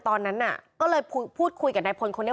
ตอนนั้นน่ะก็เลยพูดคุยกับนายพลคนนี้